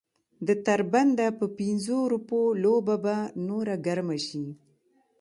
د تر بنده په پنځو روپو لوبه به نوره ګرمه شي.